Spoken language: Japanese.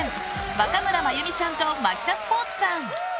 若村麻由美さんとマキタスポーツさん。